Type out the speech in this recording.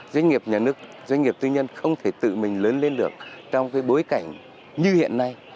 doanh nghiệp nhà nước doanh nghiệp tư nhân không thể tự mình lớn lên được trong bối cảnh như hiện nay